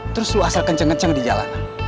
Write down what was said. terus lo asal kenceng kenceng di jalanan